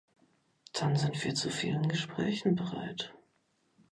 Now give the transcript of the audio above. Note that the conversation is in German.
Dann sind wir zu vielen Gesprächen bereit.